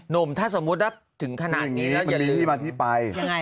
นมถ้าสมมุติถึงขนาดนี้แล้วอย่าถึงมันมีที่มาที่ไป